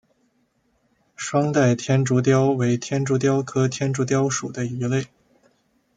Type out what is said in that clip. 双带天竺鲷为天竺鲷科天竺鲷属的鱼类。